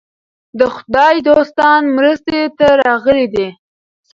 د خدای دوستان مرستې ته راغلي دي.